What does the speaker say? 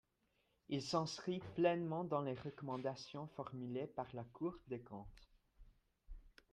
Il s’inscrit pleinement dans les recommandations formulées par la Cour des comptes.